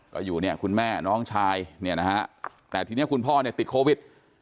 ก็อยู่คุณแม่น้องชายแต่ทีนี้คุณพ่อติดโควิด